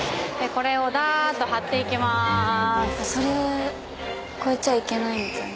それ越えちゃいけないみたいな？